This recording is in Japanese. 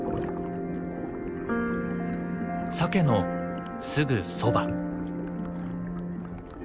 サケのすぐそば。